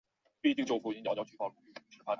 以甲钴胺为主要的研究对象。